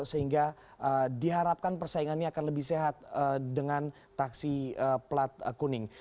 sehingga diharapkan persaingannya akan lebih sehat dengan taksi plat kuning